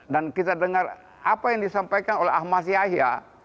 kita dengar apa yang disampaikan oleh ahmad yahya